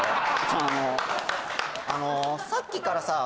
あのあのさっきからさああ？